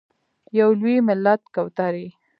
یو لوی ملت کوترې…